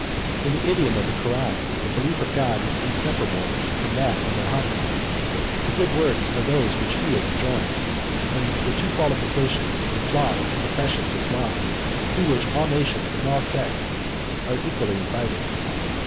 In the idiom of the Koran, 108 the belief of God is inseparable from that of Mahomet: the good works are those which he has enjoined, and the two qualifications imply the profession of Islam, to which all nations and all sects are equally invited.